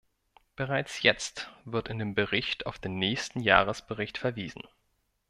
Bereits jetzt wird in dem Bericht auf den nächsten Jahresbericht verwiesen.